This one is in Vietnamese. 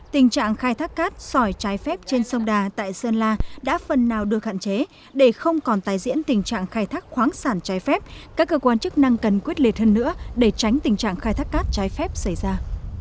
tình trạng khai thác cát sỏi trái phép trên sông đà tại sơn la đã phần nào được hạn chế để không còn tái diễn tình trạng khai thác khoáng sản trái phép các cơ quan chức năng cần quyết liệt hơn nữa để tránh tình trạng khai thác cát trái phép xảy ra